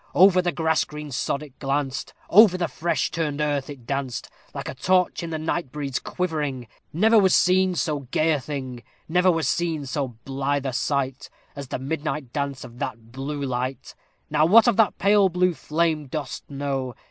Over the grass green sod it glanced, Over the fresh turned earth it danced, Like a torch in the night breeze quivering Never was seen so gay a thing! Never was seen so blithe a sight As the midnight dance of that blue light! Now what of that pale blue flame dost know?